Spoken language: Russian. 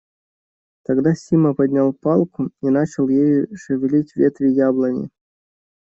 Тогда Сима поднял палку и начал ею шевелить ветви яблони.